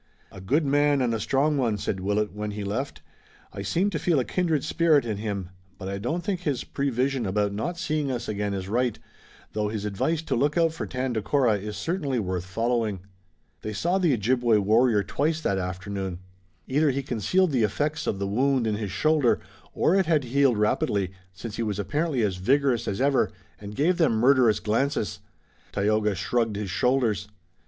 "A good man and a strong one," said Willet, when, he left. "I seem to feel a kindred spirit in him, but I don't think his prevision about not seeing us again is right, though his advice to look out for Tandakora is certainly worth following." They saw the Ojibway warrior twice that afternoon. Either he concealed the effects of the wound in his shoulder or it had healed rapidly, since he was apparently as vigorous as ever and gave them murderous glances. Tayoga shrugged his shoulders.